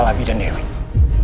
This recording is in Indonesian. bagaimana kamu akan menjawab itu